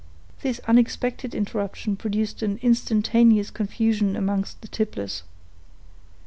This unexpected interruption produced an instantaneous confusion amongst the tipplers.